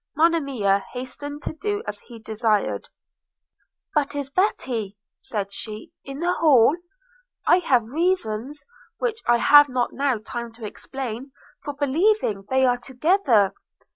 Monimia hastened to do as he desired. 'But is Betty,' said she, 'in the hall? I have reasons, which I have not now time to explain, for believing they are together.'